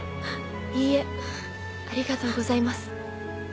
いいえありがとうございます。